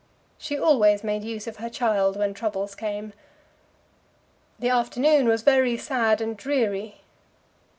She always made use of her child when troubles came. The afternoon was very sad and dreary.